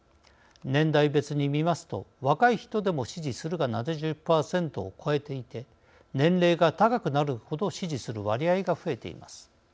年代別に見ますと若い人でも支持するが７０％を超えていて年齢が高くなるほど支持する割合が増えています。